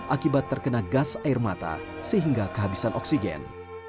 akibat terkena gas air mata sehingga kehabisan oksigen